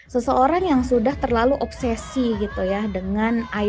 seseorang yang sudah terlalu obsesi gitu ya dengan idol misalnya